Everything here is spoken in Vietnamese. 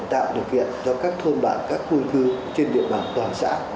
tạo điều kiện cho các thôn bản các khuôn cư trên địa bàn toàn sản